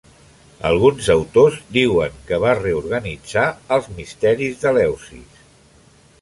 Alguns autors diuen que va reorganitzar els misteris d'Eleusis.